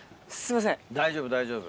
大丈夫大丈夫。